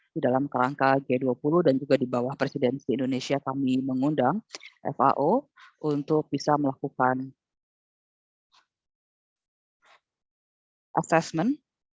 di dalam kerangka g dua puluh dan juga di bawah presidensi indonesia kami mengundang fao untuk bisa melakukan assessment